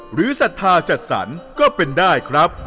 ศรัทธาจัดสรรก็เป็นได้ครับ